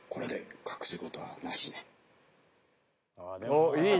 あっいい。